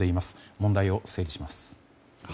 問題を整理します。